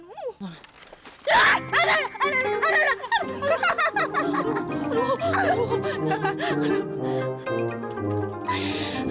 aduh aduh aduh aduh